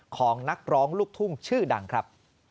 ของนักร้องลูกทุ่งชื่อดังครับ